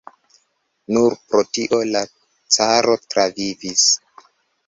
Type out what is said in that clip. Nur pro tio la caro travivis.